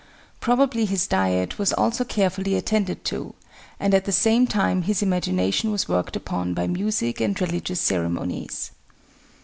Probably his diet was also carefully attended to, and at the same time his imagination was worked upon by music and religious ceremonies.